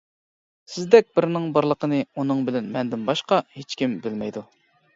سىزدەك بىرىنىڭ بارلىقىنى ئۇنىڭ بىلەن مەندىن باشقا ھېچكىم بىلمەيدۇ.